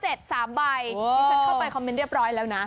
นี่ฉันเข้าไปคอมเมนต์เรียบร้อยแล้วนะ